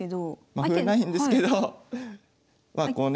まあ歩ないんですけどこうね